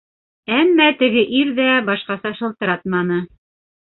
Әммә теге ир ҙә башҡаса шылтыратманы.